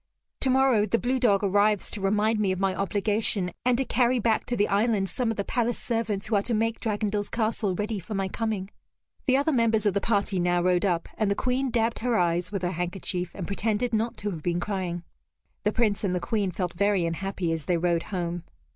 Tomorrow, the blue dog arrives to remind me of my obligation, and to carry back to the island some of the palace servants who are to make Dragondel's castle ready for my coming." The other members of the party now rode up, and the Queen dabbed her eyes with her handkerchief, and pretended not to have been crying. The Prince and the Queen felt very unhappy as they rode home.